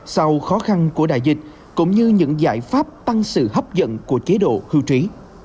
sau khó khăn của đại dịch cũng như những giải pháp tăng sự hấp dẫn của chế độ hưu trí